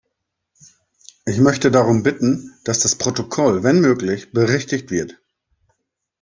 Ich möchte darum bitten, dass das Protokoll, wenn möglich, berichtigt wird.